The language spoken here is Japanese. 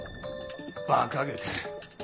ばかげてる。